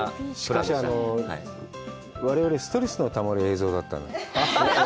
しかし、我々、ストレスのたまる映像だったな。